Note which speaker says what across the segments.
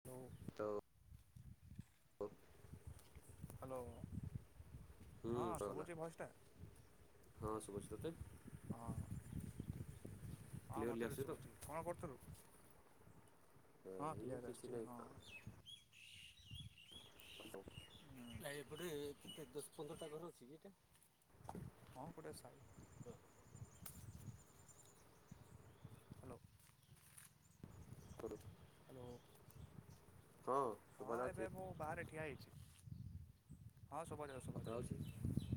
Speaker 1: Hello
Speaker 2: hello [unintelligible]
Speaker 1: hello.
Speaker 2: ହୁଁ
Speaker 1: ହଁ
Speaker 2: ଗଲା
Speaker 1: ଶୁଭୁଛି ଭଏସ ଟା
Speaker 2: ହଁ ଶୁଭୁଛି ତୋତେ
Speaker 1: ହଁ ହଁ
Speaker 2: କ୍ଲିୟରଲି
Speaker 1: ମତେ ବି
Speaker 2: ଆସୁଛି ତ
Speaker 1: ଶୁଭୁଛି କଣ କରୁଥିଲୁ? ହଁ
Speaker 2: ଏଇ
Speaker 1: କ୍ଲିୟର
Speaker 2: କିଛି
Speaker 1: ଆସୁଛି
Speaker 2: ନାହିଁ
Speaker 1: ହଁ।
Speaker 2: କଣ
Speaker 1: [unintelligible] ଟ ହଁ ଗୋଟେ ହ୍ୟାଲୋ
Speaker 2: ତରୁ
Speaker 1: ହାଲୋ
Speaker 2: ଶୁଭା
Speaker 1: ହଁ
Speaker 2: ଯାଉଛି
Speaker 1: ଏବେ ମୁଁ ବାହାରେ ଠିଆ ହେଇଛି। ହଁ
Speaker 2: କଥା ହଉଛି
Speaker 1: ଶୁଭା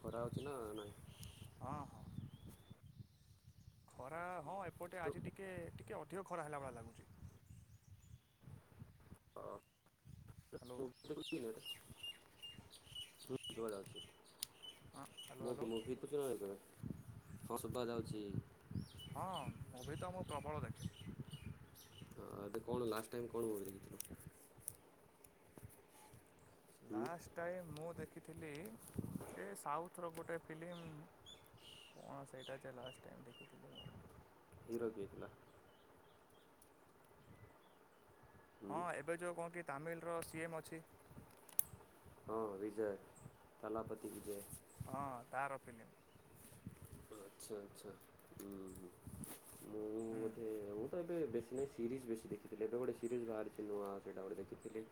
Speaker 2: ଖରା ହଉଛି ନା ନାଇଁ
Speaker 1: ଶୁଭାଯାଉଛି ହଁ ହଁ। ଖରା ହଁ ଏପଟେ
Speaker 2: ତ
Speaker 1: ଆଜି ଟିକେ ଟିକେ ଟିକେ ଖରା ହେଲା ଭଳିଆ ଲାଗୁଛି।
Speaker 2: ହଁ।
Speaker 1: ହ୍ୟାଲୋ।
Speaker 2: ହୁଁ, ଶୁଗା ଯାଉଛି। [unintelligible]
Speaker 1: ହ୍ୟାଲୋ
Speaker 2: ହଁ,
Speaker 1: ହ୍ୟାଲୋ
Speaker 2: ଶୁଭା ଯାଉଛି।
Speaker 1: ହଁ, ମୁଭି ତ ମୁଁ ପ୍ରବଳ ଦେଖେ।
Speaker 2: ହଁ, ଏବେ କଣ ଲାଷ୍ଟ ଟାଇମ୍ କଣ ମୁଭି ଦେଖିଥିଲ?
Speaker 1: ଲାଷ୍ଟ ଟାଇମ୍ ମୁଁ ଦେଖିଥିଲି, ଏ ସାଉଥର ଗୋଟେ ଫିଲ୍ମ, କଣ ସେଇଟା ଯେ ଲାଷ୍ଟ ଟାଇମ୍ ଦେଖିଥିଲି ମୁଁ
Speaker 2: ହିରୋ କିଏ ଥିଲା? ହୁଁ
Speaker 1: ହଁ, ଏବେ ଯୋଉ କଣ କି ତାମିଲର ସି ଏମ୍ ଅଛି
Speaker 2: ହଁ ବିଜୟ, ଥାଲାପତି ବିଜୟ।
Speaker 1: ହଁ, ତାର ଫିଲ୍ମ।
Speaker 2: ଆଚ୍ଛା, ଆଚ୍ଛା। ହୁଁ, ହୁଁ। ମୁଁ
Speaker 1: ହୁଁ
Speaker 2: ବୋଧେ, ମୁଁ ତ ଏବେ ବେଶୀ ନାହିଁ ସିରିଜ୍ ବେଶୀ ଦେଖିଥିଲି, ଏବେ ଗୋଟେ ସିରିଜ୍ ବାହାରିଛି ନୂଆ ସେଇଟା ଗୋଟେ ଦେଖଥିଲି।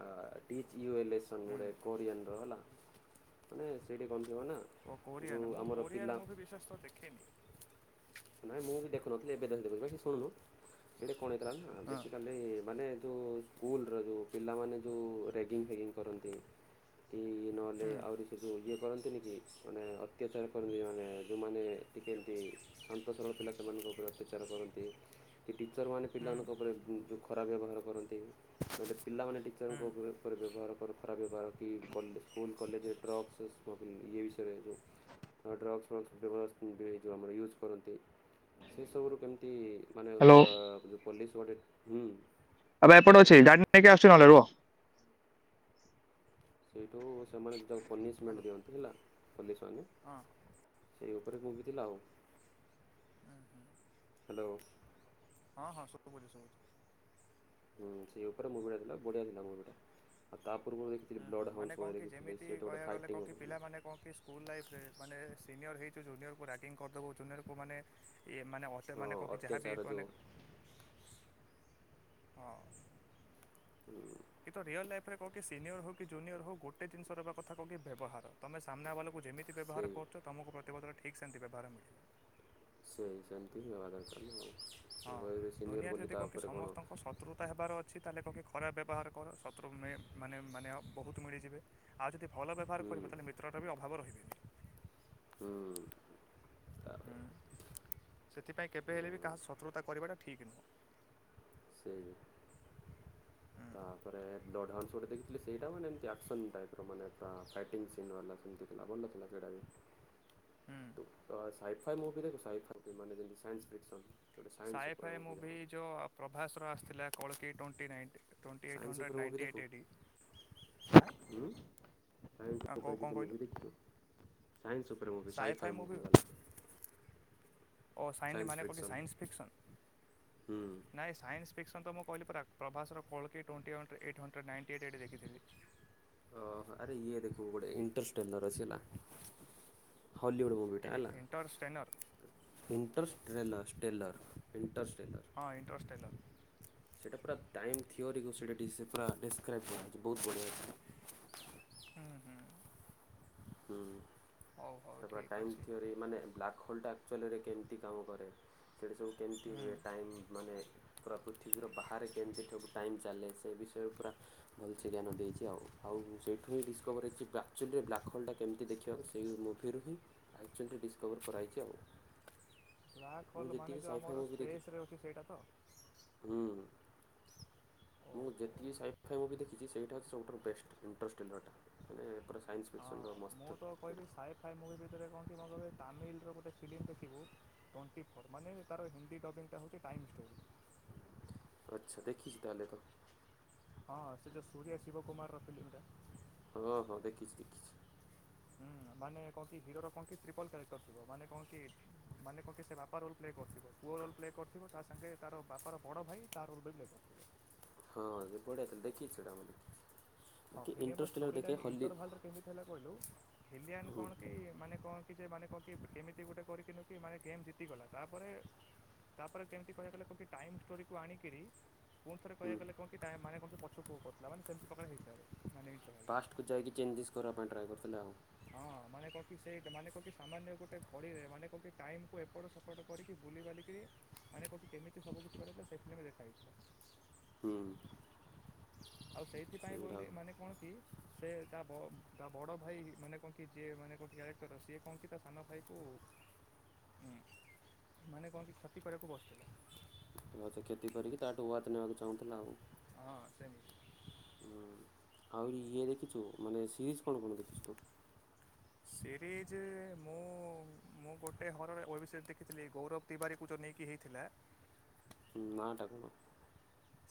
Speaker 2: ଆ ଡିଜ୍ ୟୁ ଏ ଲେସନ୍ ଗୋଟେ
Speaker 1: ହୁଁ
Speaker 2: କୋରିଆନର ହେଲା। ମାନେ ସେଇଠି କଣ ଥିବ ନା
Speaker 1: ଓ
Speaker 2: ଯୋଉ
Speaker 1: କୋରିଆନ। ମୁଁ
Speaker 2: ଆମର ପିଲା
Speaker 1: କୋରିଆର ମୁଁ ବିଶେଷତ ଦେଖେନି।
Speaker 2: ନାଇଁ ମୁଁ ବି ଦେଖୁନଥିଲି, ଏବେ ଦେଖ ଦେଖୁଚି। ବାକି ଶୁଣୁ ସେଟା କଣ ହେଇଥିଲା ନା
Speaker 1: ହଁ
Speaker 2: ବେସିକାଲି ମାନେ ଯେଉଁ ସ୍କୁଲର ଯେଉଁ ପିଲାମାନେ ଯେଉଁ ରେଗିଙ୍ଗ ଫ୍ୟାଗିଙ୍ଗ କରନ୍ତି କି ଇଏ ନହେଲେ
Speaker 1: ହୁଁ
Speaker 2: ଆହୁରି ସେ ଯେଁ ଇଏ କରନ୍ତିନି କି? ମାନେ ଅତ୍ୟାଚାର କରନ୍ତି ମାନେ ଯେଉଁମାନେ ଟିକେ ଏମତି ଶାନ୍ତ ସରଳ ପିଲା ସେମାନଙ୍କ ଉପରେ ଅତ୍ୟାଚାର କରନ୍ତି? ଟିଚର୍ ମାନେ
Speaker 1: ହୁଁ
Speaker 2: ପିଲାମାନଙ୍କ ଉପରେ ଉ ଖରାପ ବ୍ୟବହାର କରନ୍ତି। ନହେଲେ ପିଲାମାନେ ଟିଚରଙ୍କୁ
Speaker 1: ହୁଁ।
Speaker 2: ଉପରେ ଖରାପ ବ୍ୟବହାର ଖରାପ ବ୍ୟବହାର କି ସ୍କୁଲ୍ କଲେଜରେ ଡ୍ରଗ୍ସ ଇଏସବୁ ବିଷୟରେ ଯେଉଁ ଡ୍ରଗ୍ସଉଁ ଆମର ୟୁଜ୍ କରନ୍ତି ସେସବୁରୁ କେମିତି ମାନେ
Speaker 1: ହ୍ୟାଲୋ
Speaker 2: ଆଁ ପୋଲିସ ଗୋଟେ ହୁଁ।
Speaker 1: ଆଉ ଏପଟ ଅଛି
Speaker 2: ଶୁଣାଯାଉଛି
Speaker 1: ଡାଡିକୁ ନେଇକି ଆସୁଚି ନହେଲେ ରୁହ।
Speaker 2: ହୁଁ। ତୁ ସେମାନେ ନିକୁ
Speaker 1: ହ୍ୟାଲୋ
Speaker 2: ପନିସମେଣ୍ଟ ଦିଅନ୍ତି ହେଲା [unintelligible]
Speaker 1: ହଁ।
Speaker 2: ସେଇ ଉପରେ ମୁଙ୍ଗିଥିଲା ଆଉ
Speaker 1: ହୁଁ ହୁଁ
Speaker 2: ହ୍ୟାଲୋ।।
Speaker 1: ହଁ ହଁ ଶୁବୁଚି ସୁବୁଚି।
Speaker 2: ହୁଁ ସେଇ ଉପରେ ମୁଗ ଡାଲିଟା ବଢିଆ ଥିଲା ମୁଗ ଟା ଆଉ ତା ପୂର୍ବରୁ ଦେଖିଥିଲି
Speaker 1: ହୁଁ ହୁଁ
Speaker 2: ବ୍ଲଡ଼
Speaker 1: ମାନେ
Speaker 2: ହାଉଣ୍ଡସ୍ ଗୋଟେ
Speaker 1: କଣ କି
Speaker 2: ଦେଖିଥିଲି
Speaker 1: ଯେମିତି
Speaker 2: ସେଇଟା ଗୋଟେ
Speaker 1: କହିବାକୁ ଗଲେ
Speaker 2: ଫାଇଟିଙ୍ଗ
Speaker 1: କଣ କି
Speaker 2: ଉପରେ ଥିଲା
Speaker 1: ପିଲାମାନେେ କଣ କି ସ୍କୁଲ ଲାଇଫରେ ମାନେ ସେ ସିନିୟର୍ ହେଇଚୁ ଜୁନିୟରକୁ ରାଗିଙ୍ଗ୍ କରିଦବୁ ଜୁନିୟରକୁ ମାନେ ଇୟେ ମାନେ ଅତ
Speaker 2: ହଁ
Speaker 1: ମାନେ କଣ କି ଯାହାବି
Speaker 2: ଅତ୍ୟାଚାର
Speaker 1: କ
Speaker 2: ଯୋଉ
Speaker 1: ମାନେ ହଁ।
Speaker 2: ହୁଁ।
Speaker 1: କି ତ ରିୟଲ ଲାଇଫ୍ ରେ କଁ କି ସିନିୟର ହଉ କି ଜୁନିୟର ହଉ ଗୋଟେ ଜିନିଷ ର କଥା କଣ କି ବ୍ୟବହାର ତମେ ସାମ୍ନାବାଲାକୁ ମୁଁ ଯେମିତି
Speaker 2: ସେଇ
Speaker 1: ବ୍ୟବହାର କରୁଚ ତମକୁ ମ ଏତେ ବଦଳ ଠିକ୍ ସେମତି ବ୍ୟବହାର ମିଳିବ।
Speaker 2: ସେଇ ସେମିତି ହିଁ ହେବା ଦରକାର ମୁଁ କହିଲି
Speaker 1: ହଁ
Speaker 2: ସିନିୟର
Speaker 1: ଦୁନିଆରେ
Speaker 2: ବୋଲି ତା ଉପରେ କଣ
Speaker 1: ସେ ତାହେଲେ କଣ କି ଖରାପ ବ୍ୟବହାର କର ଶତ୍ରୁ ମେ ମାନେ ମାନେ ବହୁତ ମିଳିଯିବେ ଆଉ ଯଦି ଭଲ ବ୍ୟବହାର
Speaker 2: ହୁଁ
Speaker 1: କରିବ ତାହେଲେ ମିତ୍ରଟା ବି ଅଭାବ ରହିବେନି।
Speaker 2: ହୁଁ। ତାହେଲେ
Speaker 1: ହୁଁ ସେଥିପାଇଁ କେବେ ହେଲେ ବି କାହା ଶତ୍ରୁତା କରିବାଟା ଠିକ୍ ନୁହଁ।
Speaker 2: ସେଇ
Speaker 1: ହୁଁ
Speaker 2: ତାପରେ ଡଡ୍ ଆଣ୍ଡ୍ ସୋ ଟେ ଦେଖିଥିଲି ସେଇଟା ମାନେ ଯେମିତି ଆକ୍ସନ ଟାଇପ୍ ର ମାନେ ଫା ଫାଇଟିଂ ସିନ୍ ବାଲା ସିନ୍ ଟେ ଥିଲା। ଭଲ ଥିଲା ସେଇଟା ବି
Speaker 1: ହୁଁ
Speaker 2: ତ ସାଇଟ୍ ଫାଏ ମୁଭି ରେ ସାଇଟ୍ ଫାଏ ମୁଭି ମାନେ ଯେମତି ସାଇନ୍ସଫିକ୍ସନ
Speaker 1: ସାଏ ଫାଏ ମୁଭି ଯୋଉ ପ୍ରଭାସର ଆସିଥିଲା କଳକି twenty ninety. Twenty eight
Speaker 2: science
Speaker 1: hundred
Speaker 2: ଉପରେ ମୁଭି
Speaker 1: ନାଇଣ୍ଟି ଏଇଟ୍
Speaker 2: ଦେଖୁ।
Speaker 1: ଏଡ଼ି
Speaker 2: ଉଁ ସାଇନ୍ସ
Speaker 1: ହଁ
Speaker 2: ଉପରେ
Speaker 1: କଣ
Speaker 2: କିଛି
Speaker 1: କହିଲୁ
Speaker 2: ମୁଭି ଦେଖିଛୁ। ସାଇନ୍ସ ଉପରେ ମୁଭି ସାଇ ଫାଇ ମୁଭି ବାଲା।
Speaker 1: ଓ ସାଇନ୍
Speaker 2: ସାଇନ୍ସ
Speaker 1: ମାନେ କନ୍
Speaker 2: ଫିକ୍ସନ୍
Speaker 1: ସାଇନଫିକ୍ସନ୍
Speaker 2: ହୁଁ।
Speaker 1: ନାଇଁ ଏ ସାଇନ୍ସଫିକ୍ସନ୍ ତ ମୁଁ କହିଲି ପରା ପ୍ରଭାସର କୋଳକୀ twenty one eighty hundred ninety ଏଡି ଦେଖିଥିଲି।
Speaker 2: ଓ ହୋ ଆରେ ଇଏ ଦେଖିବୁ ଗୋଟେ ଇଣ୍ଟରସ୍ଟେନର ର ଅଛି ହେଲା। ହଲିିଉଡ ମୁଭିି ଟା ହେଲା
Speaker 1: ଇଣ୍ଟରଷ୍ଟେନର୍
Speaker 2: ଇଣ୍ଟ୍ରଷ୍ଟ୍ରେଲର। ଟେଲର୍ ଇଣ୍ଟଷ୍ଟି।
Speaker 1: ହଁ ଇଣ୍ଟରଷ୍ଟ୍ରେଲର।
Speaker 2: ସେଇଟା ପୁରା ଟାଇମ୍ ଥିଓରିକୁ ସେଇଟା ଠିକ୍ ସେ ପୁରା ଡିସ୍କ୍ରାଇବ କରାଯାଇଛି ବହୁତ ବଢିଆହେଇଛି।
Speaker 1: ହୁଁ ହୁଁ
Speaker 2: ହୁଁ।
Speaker 1: ହଉ ହଉ
Speaker 2: ସେଟା ପୁରା
Speaker 1: ଠିକ୍
Speaker 2: ଟାଇମ୍
Speaker 1: ଅଛି
Speaker 2: ଥିଓରି ମାନେ ବ୍ଲାକ୍ ହୋଲ୍ଟା ଟା ଅଞ୍ଚଲରେ କେମିତି କାମ କରେ। ସେଇଠା ସବୁ କେମିତି
Speaker 1: ହୁଁ
Speaker 2: ହୁଏ ଟାଇମ୍ ମାନେ ପୁରା ପୃଥିବୀର ବାହାରେ କେମିତି ଠାକୁ ଟାଇମ୍ ଚାଲେ ସେ ବିଷୟରେ ପୁରା ଭଲସେ ଜ୍ଞାନ ଦେଇଛି ଆଉ ଆଉ ସେଇଠୁ ହିଁ ଡିସକଭର୍ ହେଇଚି ଆକ୍ଚୁଆଲିରେ ବ୍ଲାକ୍ ହୋଲ୍ଟା ଟା କେମିତି ଦେଖିବାକୁ ସେଇ ମୁଭିରୁ ହିଁ [unintelligible] ଡିସ୍କଭର୍ କରାଯାଇଚି ଆଉ।
Speaker 1: ବ୍ଲାକ୍
Speaker 2: ମୁଁ
Speaker 1: ହୋଲ ମାନେ
Speaker 2: ଯେତିକି
Speaker 1: ଯୋଉ
Speaker 2: ସାଇଫାଇ
Speaker 1: ଆମର
Speaker 2: ମୁଭି ଦେଖି
Speaker 1: ସ୍ପେସ୍ ରେ ଅଛି ସେଇଟା ତ?
Speaker 2: ହୁଁ ମୁଁ
Speaker 1: ଓହୋ।
Speaker 2: ଯେତିକି ସାଇ ଫାଇ ମୁଭି ଦେଖିଛି ସେଇଟା ହଉଚି ସବୁଠାରୁ ବେଷ୍ଟ ଇଂଟରେଷ୍ଟ ଟେଲର ଟା ମାନେ ପୁରା ସାଇନ୍ସ
Speaker 1: ହଁ
Speaker 2: ଫିକ୍ସନର
Speaker 1: ମୁଁ
Speaker 2: ମସ୍ତ
Speaker 1: ତ କହିବି
Speaker 2: ଏଇଟା
Speaker 1: ସାଇଫାଏ ମୁ ଭିତରେ କଣ କି ମ କହିବି ତାମିଲର ଗୋଟେ ଫିଲ୍ମ ଦେଖିବୁ ଟୋଣ୍ଟିଫୋର୍ ମାନେ ତାର ହିନ୍ଦୀ ଡବିଙ୍ଗ୍ ଟା ହେଉଚି ଟାଇମ୍ ଷ୍ଟୋରି।
Speaker 2: ଆଚ୍ଛା ଦେଖିଚି ତାହେଲେ ତ।
Speaker 1: ହଁ ସେ ଯୋଉ ସୂରିୟା ଶିବ କୁମାର ର ଫିଲ୍ମ ଟା।
Speaker 2: ହଁ ହଁ ଦେଖିଚି ଦେଖିଚି।
Speaker 1: ହୁଁ ମାନେ କଣ କି ହିରୋର କଣ କି ଟ୍ରିପଲ କ୍ୟାରେକ୍ଟର ଥିବ। ମାନେ କଣ କି ମାନେ କଣ କି ସେ ବାପା ରୋଲ୍ ପ୍ଲେ କରିଥିବ। ପୁଅ ରୋଲ୍ ପ୍ଲେ କରିଥିବ ତା ସାଙ୍ଗେ ତାର ବାପାର ବଡ ଭାଇ ତା ରୋଲ ବି ପ୍ଲେ କରୁଥିବ।
Speaker 2: ହଁ ସେ ବଢିଆ ଥି ଦେଖିଛି ଏଟା ମୁଁ ଦେଖଛି।
Speaker 1: ହଁ ଫିଲ୍ମ ର ଷ୍ଟୋରି ବି ଇଣ୍ଟରଭାଲ କେମିତି ହେଲା କହିଲୁ ଭିଲିଆନ
Speaker 2: ହୁଁ
Speaker 1: କଣ କି ମାନେ କଣ କି ଯେ ମାନେ କଣ କି [unintelligible] ଏମିତି ଗୋଟେ କରିକିନୁ କି ମାନେ ଗେମ୍ ଜିତିଗଲା ତାପରେ ତାପରେ କେମିତି କହିବାକୁ ଗଲେ [unintelligible] ଟାଇମ୍ ଷ୍ଟୋରିକୁ ଆଣିକରି ପୁଣି ଥରେ
Speaker 2: ହୁଁ
Speaker 1: କହିବାକୁ ଗଲେ କଣ କି ଟାଏମ ମାନେ [unintelligible] ପଛକୁ କହୁଥିଲାବାନ ସେମତି [unintelligible] ହେଇନି। ସରେ
Speaker 2: ପାଷ୍ଟକୁ ଯାଇକି ଚେଞ୍ଜେସ୍ କରିବା ପାଇଁ ଟ୍ରାଏ କରୁଥିଲେ ଆଉ।
Speaker 1: ହଁ ମାନେ କହକି ସେ ମାନେ କହକି ସାମାନ୍ୟ ଗୋଟେ ଘଡ଼ିରେ ମାନେ କହକି ଟାଇମ୍ କୁ ଏପଟ ସେପଟ କରିକି ବୁଲିିବାଲିକିରି ମାନେ କହୁକି କେମିତି ସବୁ କିଛି କରିଥିଲା ସେଥିନି ଦେଖା ହେଇଥିଲା।
Speaker 2: ହୁଁ।
Speaker 1: ଆଉ ସେଇଥିପାଇଁ
Speaker 2: ସେଇଟା
Speaker 1: ବୋଲି ମାନେ କଣ କି ସେ ତା ବ ତା ବଡ଼ ଭାଇ ମାନେ କଣ କି ଯିଏ ମାନେ କହନ୍ତି କ୍ୟାରେକ୍ଟର, ସିଏ କଣ କି ତା ସାନ ଭାଇକୁ ଉମ୍ ମାନେ କଣ କି କ୍ଷତି କରିବାକୁ ବସିଥିଲେ।
Speaker 2: ହଉତ କ୍ଷତି କରିକି ତାଠୁ ୱାଚ ନେବାକୁ ଚାହୁଁଥିଲା ଆଉ।
Speaker 1: ହଁ ସେମିତି।
Speaker 2: ହଁ ଆହୁରି ଇଏ ଦେଖିଛୁ ମାନେ ସିରିଜ୍ କ'ଣ କ'ଣ ଦେଖିଛୁ ତୁ
Speaker 1: ସିରିଜ୍ ମୁଁ ମୁଁ ଗୋଟେ ହରର୍ ଓବିସି ଦେଖିଥିଲି। ଗୌରବ ତିୱାରୀକୁ ଯେଉ ନେଇକି ହେଇଥିଲା
Speaker 2: ହଁ ନା ଟା କଣ?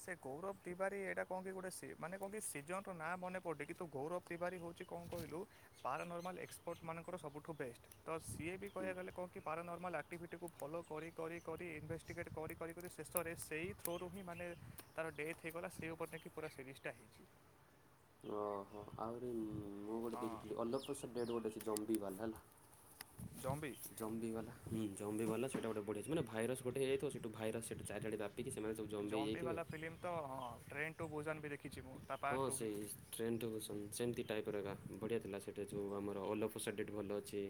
Speaker 1: ସେ ଗୌରବ ତିିବାରୀ ଏଇଟା କଣ କି ଗୋଟେ ସି ମାନେ କଣ କି ସିଜନର ନାଁ ମନେ ପଡୁନି। କିନ୍ତୁ ଗୌରବ ତିୱାରୀ ହେଉଛି କଣ କହିଲୁ ପାରା ନର୍ମାଲ୍ ଏକ୍ସପର୍ଟ ମାନଙ୍କର ସବୁଠୁ ବେଷ୍ଟ ତ ସିଏ ବି
Speaker 2: ହୁଁ
Speaker 1: କହିବା ଗଲେ କଣ କି ପାରାନର୍ମାଲ୍ ଆକ୍ଟିଭିଟିକୁ ଫଲୋ କରି କରି କରି ଇନଭେଷ୍ଟିଗେଟ୍ କରି କରି କରି ଶେଷରେ ସେଇ ଥ୍ରୋ ରୁ ହିଁ ମାନେ ତାର ଡେଥ୍ ହେଇଗଲା ସେ ଉପରେ ନେଇକି ପୁରା ସିରିଜଟା ହେଇଛି।
Speaker 2: ଓହୋ ଆହୁରିି ମୁଁ ଗୋଟେ ଦେଖଥିଲି
Speaker 1: ହଁ
Speaker 2: ଅଲଫସ ଡେଟ ଗୋଟେ ଅଛି ଜ ବିବାଲ ହେଲା
Speaker 1: ଜମ୍ବି
Speaker 2: ଜମ୍ବି ଗଲା ହଁ ଜମ୍ବି ବାଲା ସେଟା ଗୋଟେ ବଢିଆ ଅଛି ମାନେ ଭାଇରସ ଗୋଟେ ହେଇଯାଇଥିବ ସେଠୁ ଭାଇରସ ସେଠୁ ଚାରିଆଡ଼େ ବ୍ୟାପି
Speaker 1: ଜମ୍ବି ବାଲା ଫିଲ୍ମ ତ-ଅ-ଅ ଟେଣ୍ଡ ଟୁ ଭୁଜନ୍ ବି ଦେଖ
Speaker 2: ହଁ ସେଇ ଟ୍ରେନ୍ ଟୁ ବି ସେମତି ଟାଇପ ଟା ବଢ଼ିଆଥିଲା ସେଟା ଯେଉଁ ଆମର ଓଲୋ ଫୋସାଟ୍ ଭଲ ଅଛି।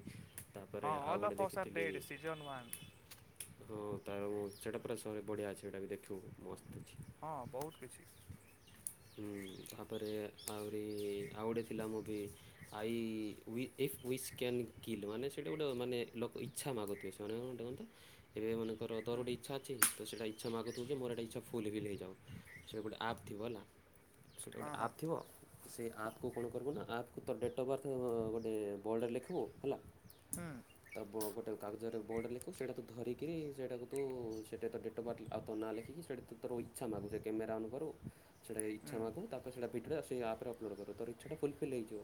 Speaker 1: ହଁ
Speaker 2: ତାପରେ ଆଉ
Speaker 1: ଅଲ
Speaker 2: ଗୋଟେ
Speaker 1: ଅଫ୍ ଆର୍
Speaker 2: ଦେଖିଥିଲି
Speaker 1: ଡେଡ ସିଜନ୍ ୱାନ୍
Speaker 2: ତ ମୁଁ ସେଇଟା ପୁରା ସହେ ବଢ଼ିଆ ଅଛି। ସେଇଟା ବି ଦେଖିବୁ ମସ୍ତ ଅଛି।
Speaker 1: ହଁ ବହୁତ କିଛି
Speaker 2: ହୁଁ ତାପରେ ଆହୁରି ଆଉ ଗୋଟେ ଥିଲା ମୁଭି ଆଇ ଉଈ ଇଏଫ୍ ୱିସ କାନ କିଲ୍ ମାନେ ସେଇଟା ଗୋଟେ ମାନେ ଲକ୍ ଇଚ୍ଛା ମାଗୁଥିବେ। ସେମାନେ କଣଟେ କହ ତ ଏବେ ମାନେ କର ଦର
Speaker 1: ହୁଁ,
Speaker 2: ଗୋଟେ ଇଛା ଅଛି ତ ସେଇଟା ଇଛା ମାଗୁଥିବୁ ଯେ ମୋର ଏଇା ଇଚ୍ଛା ଫୁଲ ଫିଲ ହେଇଯାଉ। ସେଇ ଗୋଟେ ଆପ ଥିବ ହେଲା ସେଇଠି ଗୋଟେ
Speaker 1: ହଁ ହଁ
Speaker 2: ଆପ୍ ଥିବ ସେ ଆପ୍ କୁ କଣ କରିବୁ ନା ଆପ୍ କୁ ତ ଡେଟ୍ ଅଫ୍ ବାର୍ଥ ଅ-ଅ-ଅ ଗୋଟେ ବୋର୍ଡ଼ରେ ଲେଖିବୁ ହେଲା
Speaker 1: ହୁଁ
Speaker 2: ତା ପରେ ଗୋଟେ କାଲ ଯେଟାକୁ ବୋର୍ଡ଼ରେ ଲେଖୀବୁ ସେଇଟା ତୁ ଧରିକିରି ସେଇଟାକୁ ତୁ-ଉ-ଉ ସେଟା ତ ଡେଟ୍ ଅଫ୍ ବାର୍ଥ ଆଉ ତ ନାଁ ଲେଖିକି ସେଇଠ୍ ତୁ କ୍ୟାମେରା ଅନ୍ କରୁ ସେଟା ଇଛା
Speaker 1: ହୁଁ
Speaker 2: ମାଗୁ ତାପରେ ସେଟା ପିଟି ରେ ଆସୁ ସେ ଆପ୍ରରେ ଅପଲୋଡ କରୁ ତୋ ଇଚ୍ଛା ଫୁଲଫିଲ୍ ହେଇଯିବ।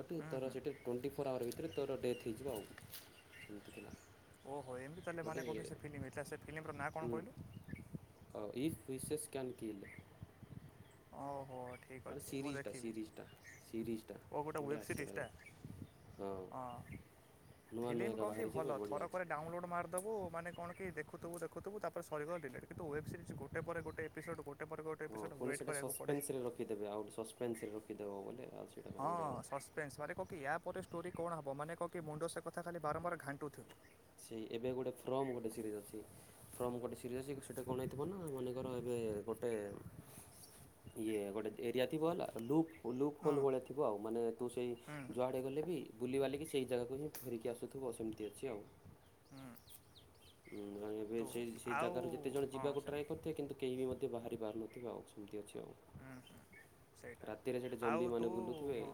Speaker 2: ବଟ
Speaker 1: ହୁଁ
Speaker 2: ତର
Speaker 1: ହୁଁ
Speaker 2: ସେଇଠି ଟ୍ୱେଣ୍ଟି ଫୋ ଆୱର୍ ଭିତରେ ତୋର ଡେଥ୍ ହେଇଯିବ ଆଉ ସେମିତି ଥିଲା।
Speaker 1: ଓହୋ ଏମିତି ତାହେଲେ
Speaker 2: ଗୋଟେ
Speaker 1: ମନେ କହୁ ସେ ଫିଲ୍ମ ହେଇଥିଲା ସେ ଫିଲ୍ମର ନାଁ କଣ କହିଲୁ। [inaudible]
Speaker 2: ମିଶେସ ସ୍କ୍ୟାନ୍ କିଲ
Speaker 1: ଓହୋ ଠିକ ଅଛି ମୁଁ
Speaker 2: ସିରିଜ୍ଟା
Speaker 1: ଦେଖିବି
Speaker 2: ସିରିଜ୍ଟା ସିରିଜ୍ଟା
Speaker 1: [inaudible] ଓ ଗୋଟେ
Speaker 2: ବଢ଼ିଆ
Speaker 1: ୱେବ୍
Speaker 2: ଅଛି ସେଇଟା
Speaker 1: ସିରିଜ୍ଟା
Speaker 2: ବି
Speaker 1: ହଁ
Speaker 2: ନୂଆ ନୂଆ
Speaker 1: ଫିଲ୍ମ
Speaker 2: ଏକା
Speaker 1: କଣ କି
Speaker 2: ବାହାରିଛି ଏବେ
Speaker 1: ଭଲ
Speaker 2: ବଢ଼ିଆ ଅଛି
Speaker 1: ଥରକରେ ଡାଉନଲୋଡ଼୍ ମାରିଦେବୁ ମାନେ କଣ କି ଦେ ଦେଖୁଥୁବୁ ଦେଖୁିଥୁବୁ ତାପରେ ସରିବ ଡିଲେଟ। କିନ୍ତୁ ୱେବ ସରିଜ୍ ଗଟେ ପରେ ଗୋଟ ଏପିସୋଡ ଗେ ଗୋଟେ ପରେ ଗୋଟେ ଏପିସୋଡ ୱେଟ
Speaker 2: ସପେନ୍ସରେ ରଖିଦେବେ ଆଉ ଗଟେ ସସ୍ପେନ୍ସରେ କେ ଦେ ବୋଲେ ଆଉ ସେଇଟା ପାଇଁ
Speaker 1: ହଁ
Speaker 2: ଗୋଟେ ଆଉ
Speaker 1: ସସ୍ପେନ୍ସେ ମାନେ କଣ କି ୟା ପରେ ଷ୍ଟୋରି କଣ ହେବ ମାନେ କହ କି ମୁଣ୍ଡ ସେ କଥା ଖାଲି ବାରମ୍ବାର ଘାଣ୍ଟୁଥିବ।
Speaker 2: ସେଇ ଏବେ ଗୋଟେ ଫ୍ରମ ଗୋଟେ ସିରିଜ ଅଛି। ଫ୍ରମ ଗୋଟେ ସିରିଜ ଅଛି। ସେଟା କଣ ହେଇଥିବ ନା ମନେକର ଏବେ ଗୋଟେ [inaudible] ଇଏ ଗୋଟେ ଏରିଆ ଥିବ ହେଲା ଲୁ ଲୁପ୍
Speaker 1: ହଁ
Speaker 2: ହୋଲ୍ ଭଳିଆ ଥିବ ଆଉ ମାନେ ତୁ ସେଇ
Speaker 1: ହୁଁ
Speaker 2: ଯୁଆଡ଼େ ଗଲେ ବି ବୁଲିିବାଲିକି ସେଇ ଜାଗାକୁ ହିଁ ଫେରିକି ଆସୁଥିବ ସେମିତି ଅଛି ଆଉ।
Speaker 1: ହୁଁ।
Speaker 2: ହୁଁ ଏବେ
Speaker 1: ତୁ
Speaker 2: ସେଇ ସେ
Speaker 1: ଆଉ
Speaker 2: ଜାଗାରୁ ଯେତେ ଜଣ
Speaker 1: ହଁ
Speaker 2: ଯିବାକୁ ଟ୍ରାଏ
Speaker 1: ସେମିତି
Speaker 2: କରିଥିବେ। କିନ୍ତୁ କେହି ବି ମଧ୍ୟ ବାହାର ପାରୁନଥିବେ ଆଉ ସେମିତି ଅଛି। ଆଉ।
Speaker 1: ହୁଁ ହୁଁ ସେଇଟା
Speaker 2: ରାତିରେ ସେଠି ଜମ୍ବି
Speaker 1: ଆଉ ତୁ
Speaker 2: ମାନେ ବୁଲୁଥିବେ
Speaker 1: ହଁ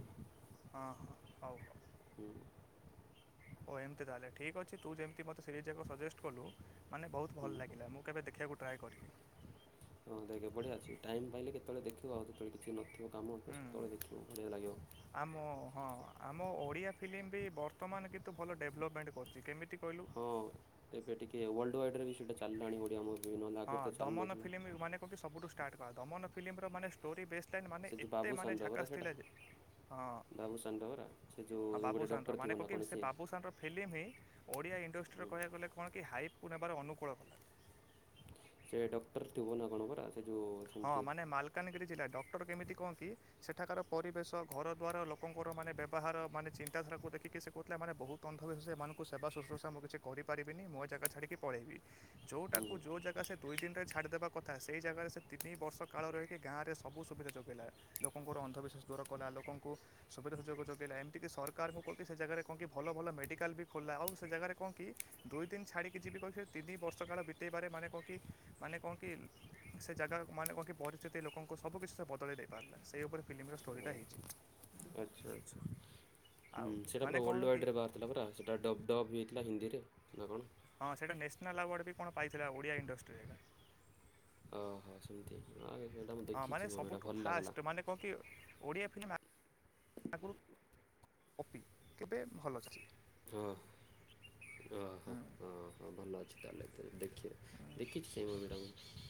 Speaker 1: ହଁ ହଁ ହଉ ହଉ
Speaker 2: ହୁଁ
Speaker 1: [inaudible] ଓ ଏମିତି ତାହେଲେ ଠିକ୍ ଅଛି ତୁ ଯେମିତି ମୋତେ ସେଇ ଯାକ ସଜେଷ୍ଟ କଲୁ ମାନେ ବହୁ
Speaker 2: ହୁଁ।
Speaker 1: ଭଲ ଲାଗିଲା ମୁଁ କେବେ ଦେଖିବାକୁ ଟ୍ରାଏ କରିବି।
Speaker 2: ହଁ ଦେଖେ ବଢିଆ ଅଛି। ଟାଇମ୍ ପାଇଲେ କେତେବେଳେ ଦେଖିବ ଆଉ ଯେତେବେଳେ କିଛି ନ
Speaker 1: ହୁଁ [inaudible] ଆମ ହଁ ଆମ ଓଡିଆ ଫିଲ୍ମ ବି ବର୍ତ୍ତମାନ କିନ୍ତୁ ଭଲ ଡେଭଲପମେଣ୍ଟ କରିଛି କେମିତି କହିଲୁ
Speaker 2: ହଁ ଏବେ ଟିକେ ୱାଲଡ ୱାଇଡ କିଛ ହେଟା ଚାଲିଲାଣି [unintelligible]
Speaker 1: ହଁ
Speaker 2: ତ
Speaker 1: ଦମନ
Speaker 2: ଚାଲୁନଥିଲା।
Speaker 1: ଫିଲ୍ମ ମାନେ କଣ କି ସବୁଠୁ ଷ୍ଟାର୍ଟ କଲା ଦମନ ଫିଲ୍ମର ମାନେଷ୍ଟୋରି ବେ୍ ମାନେ
Speaker 2: ସେ ଯେଉଁ
Speaker 1: ଏତେ ମାନେ
Speaker 2: ବାବୁସାନର ପରା
Speaker 1: ଝାକାସ୍
Speaker 2: ସେଇଟା
Speaker 1: ଥିଲା ଯେ ହଁ [inaudible]
Speaker 2: ବାବୁସାନର ପରା ସେ
Speaker 1: ହଁ
Speaker 2: ଯେଉଁ ଗୋଟେ ଡକ୍ଟର
Speaker 1: ବାବୁସାନର
Speaker 2: ଥିବ
Speaker 1: ମାନେ
Speaker 2: ନା
Speaker 1: କକ
Speaker 2: କଣ
Speaker 1: ସେ
Speaker 2: ସିଏ।
Speaker 1: ବାବୁସାନର ଫିଲ୍ମ ହିଁ ଓଡ଼ିଆ ଇଣ୍ଡଷ୍ଟ୍ରିର କହିବାକୁ ଗଲେ କଣ କି ହାଇପ୍ ବାର ଅନୁକୂଳ କଲା।
Speaker 2: ସେ ଡକ୍ଟର ଥିବ ନା କଣପରା
Speaker 1: ହଁ ମାନେ ମାଲକାନଗିରି ଜିଲ୍ଲା ଡକ୍ଟର କେମିତି କଣ କି ସେ- ଏଠାକାର ପରିବେଶ ଘର ଦ୍ୱାର ଲୋକଙ୍କର ମାନେ ବ୍ୟବହାର ମାନେ ଚିନ୍ତାଧାରାକୁ ଦେଖିକି। ସେ କହୁଥିଲେ ମାନେ ବହୁତ ଅନ୍ଧବିଶ୍ୱାସ ଏମାନଙ୍କୁ ସେବା ଶୁଶ୍ରୂଷା ମୁଁ କିଛି କରିପାରିବିନି। ମୁଁ ଏ ଜାଗା ଛାଡ଼ିକି ପଳେଇବି।
Speaker 2: ହୁଁ
Speaker 1: ଯୋଉଟାକୁ ଯୋଉ ଜାଗା ସେ ଦୁଇ [unintelligible] ଛାଡିଦବା କଥା ସେ ଜାଗାରେ ସେ ତିନି ବର୍ଷ କାଳ ରହିକି ଗାଁରେ ସବୁ ସୁବିଧା ଯୋଗାଇଲା। ଲୋକଙ୍କର ଅନ୍ଧବିଶ୍ୱାସ ଦୂର କଲା ଲୋକଙ୍କୁ ସୁବିଧା ସୁଯୋଗ ଯୋଗାଇଲା। ଏମିତିକି ସରକାରଙ୍କୁ କହକି ସେ ଜାଗାରେ କଣ କି ଭଲ ଭଲ ମେଡ଼ିକାଲ ବି ଖୋଲିଲା ଆଉ ସେ ଜାଗାରେ କଣ କି ଦୁଇ ଦିନ ଛାଡିକି ଯିବି କହିକି ତିନି ବର୍ଷ କାଳ ବିତେଇବାରେ ମାନେ କଣ କି ମାନେ କଣ କି ସେ ଜାଗାର ମାନେ କଣ କି ପରିସ୍ଥିତି ଲୋକଙ୍କୁ ସବୁ କିିଛି ସେ ବଦଳ ଦେଇ ପାରିଲା। ସେଇ ଉପରେ ଫିଲ୍ମର ଷ୍ଟୋରିଟା ହେଇଚି।
Speaker 2: ଆଚ୍ଛା ଆଚ୍ଛା ହୁଁ ସେ ସେଟା ପୁରା
Speaker 1: କ'ଣ
Speaker 2: ୱଲଡ
Speaker 1: କି
Speaker 2: ୱାଇଟି ରେ ବାହାରିଥିଲା ପରା ସେଟା ଡବ-ଡବିଂ ଥିଲା ହିନ୍ଦୀରେ ନା କଣ?
Speaker 1: ହଁ ସେଟା ନ୍ୟାସନାଲ ଆୱାର୍ଡ ବି କଣ ପାଇଥିଲା ଓଡିଆ ଇଣ୍ଡଷ୍ଟ୍ରିରେ ଏରା।
Speaker 2: ଓହୋ ସେମିତି ହଁ ହେ
Speaker 1: ହଁ ମାନେ ସବୁଠୁ ଫାଷ୍ଟ ମାନେ କହନ୍ତି ଓଡିଆ- [unintelligible] ଠାକୁର- କବି ଗୋଟେ ଭଲ ଚାଷ-
Speaker 2: ହଁ ଓ ହୋ
Speaker 1: ହୁଁ
Speaker 2: ହ ହୋ ଭଲ ଅଛି- ତା ହେଲେ ଦେଖି- ଦେଖିଛି ସେଇ ମୁଁ ବି ତାଙ୍କୁ